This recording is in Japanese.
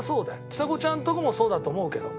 ちさ子ちゃんのとこもそうだと思うけど。